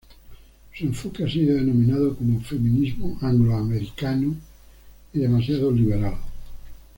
Su enfoque ha sido denominado como feminismo "Anglo-Americano" y demasiado "liberal"·.